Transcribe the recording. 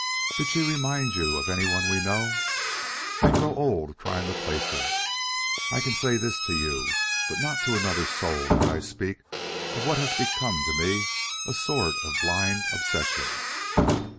Did she remind you of anyone we know? I grow old trying to place her. I can say this to you; but not to another soul could I speak of what has become to me a sort of blind obsession.